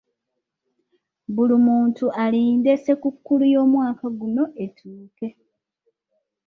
Buli muntu alinda ssekukkulu y'omwaka guno etuuke.